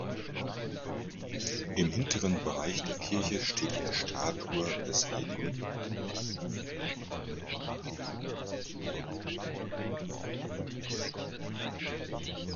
Im hinteren Bereich der Kirche steht eine Statue des hl.